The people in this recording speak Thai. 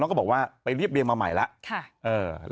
แล้วก็บอกว่าไปเรียบเรียงมาใหม่แล้ว